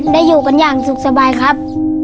อยู่กันอย่างสุขสบายครับ